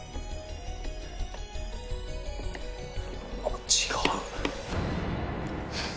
あっ違う。